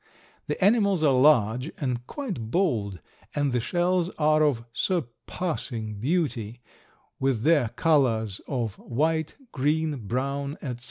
The animals are large and quite bold and the shells are of surpassing beauty, with their colors of white, green, brown, etc.